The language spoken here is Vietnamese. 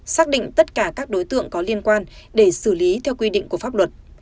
xác định tất cả các đối tượng có liên quan để xử lý theo quy định của pháp luật